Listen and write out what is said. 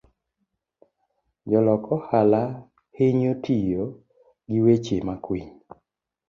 Jolok ohala hinyo tiyo gi weche makwiny.